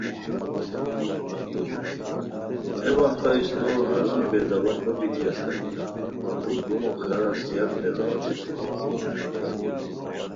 ہے وختہ استور ہرونی بے داوا نو بیتی استانی وا پردومو خیر ا زیاد بے داوا بیسنی